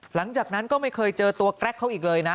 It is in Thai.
หลังจากนั้นก็ไม่เคยเจอตัวแกรกเขาอีกเลยนะ